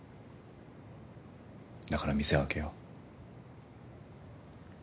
だから店を開けよう。